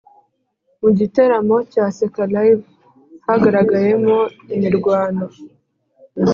Mugitaramo cya seka live hagaragayemo imirwano